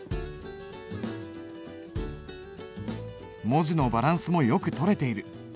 文字のバランスもよくとれている。